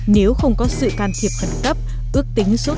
nếu không có sự can thiệp khẩn cấp ước tế là không có bệnh